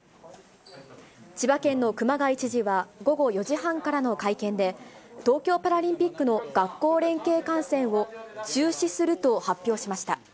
千葉県の熊谷知事は、午後４時半からの会見で、東京パラリンピックの学校連携観戦を中止すると発表しました。